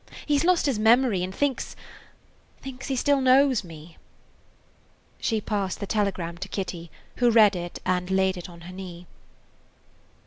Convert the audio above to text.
"He 's lost his memory, and thinks–thinks he still knows me." She passed the telegram to Kitty, who read it, and laid it on her knee.